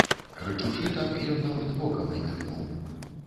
Крычучы так, ён нават вокам не міргнуў.